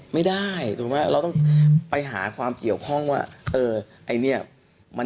ไม่ได้ถูกไหมเราต้องไปหาความเกี่ยวข้องว่า